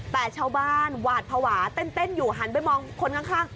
แต่ชาวบ้านหวาดภาวะเต้นอยู่หันไปมองคนข้าง